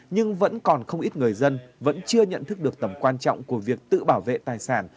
nhưng vẫn còn không ít người dân vẫn chưa nhận thức được tầm quan trọng của việc tự bảo vệ tài sản